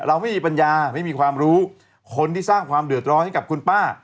เราไม่มีปัญญาไม่มีความรู้คนที่สร้างความเดือดร้อนให้กับคุณป้า